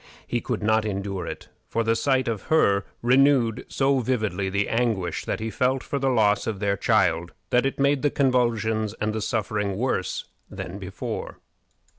He could not endure it, for the sight of her renewed so vividly the anguish that he felt for the loss of their child, that it made the convulsions and the suffering worse than before.